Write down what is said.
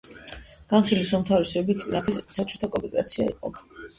განხილვის უმთავრესი ობიექტი ნაფიც-მსაჯულთა კომპეტენცია იყო.